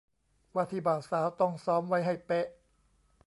ว่าที่บ่าวสาวต้องซ้อมไว้ให้เป๊ะ